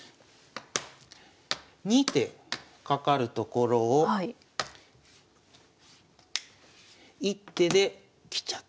２手かかるところを１手で来ちゃった。